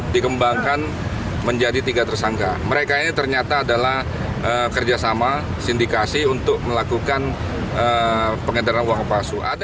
dikembangkan menjadi tiga tersangka mereka ini ternyata adalah kerjasama sindikasi untuk melakukan pengedaran uang palsu